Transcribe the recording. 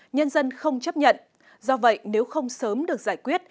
nhân dân không chấp nhận do vậy nếu không sớm được giải quyết